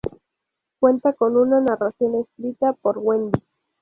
Cuenta con una narración escrita por Wendy.